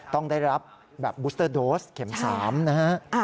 ต้องได้รับแบบบูสเตอร์โดสเข็ม๓นะฮะ